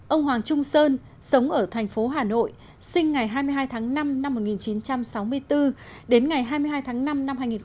ông hoàng trung sơn sống ở thành phố hà nội sinh ngày hai mươi hai tháng năm năm một nghìn chín trăm sáu mươi bốn đến ngày hai mươi hai tháng năm năm hai nghìn một mươi ba